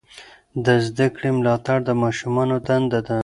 د زده کړې ملاتړ د ماشومانو دنده ده.